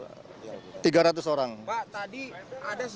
pak tadi ada sejumlah penunjuk rasa yang melakukan pelemparan batu